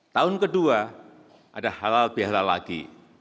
tahun kedua ada halal bihalal lagi